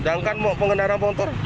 sedangkan pengendara motor